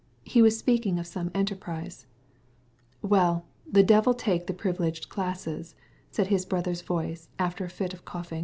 He was speaking of some enterprise. "Well, the devil flay them, the privileged classes," his brother's voice responded, with a cough.